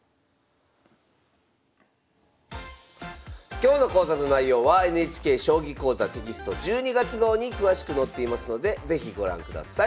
今日の講座の内容はＮＨＫ「将棋講座」テキスト１２月号に詳しく載っていますので是非ご覧ください。